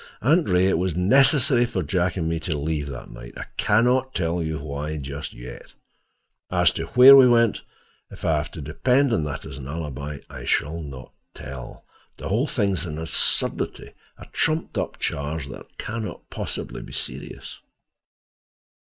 "Aunt Ray, it was necessary for Jack and me to leave that night. I can not tell you why—just yet. As to where we went, if I have to depend on that as an alibi, I shall not tell. The whole thing is an absurdity, a trumped up charge that can not possibly be serious."